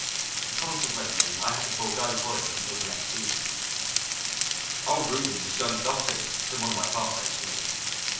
Consequently I had to forego college until the next season. "'Old Reubens is going dotty,' said one of my classmates to me.